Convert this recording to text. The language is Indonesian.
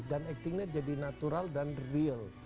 dan actingnya jadi natural dan real